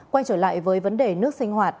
quay trở lại với vấn đề nước sinh hoạt